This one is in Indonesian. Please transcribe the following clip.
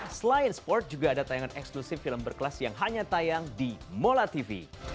di mola sports juga ada tayangan eksklusif film berkelas yang hanya tayang di molatv